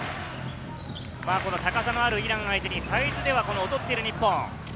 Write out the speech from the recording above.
高さのあるイラン相手にサイズでは劣っている日本。